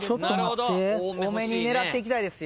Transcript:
多めに狙っていきたいですよ。